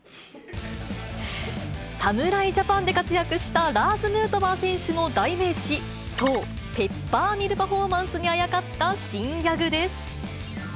侍ジャパンで活躍したラーズ・ヌートバー選手の代名詞、そう、ペッパーミルパフォーマンスにあやかった新ギャグです。